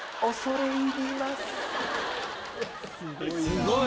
すごい！